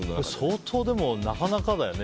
相当、なかなかだよね。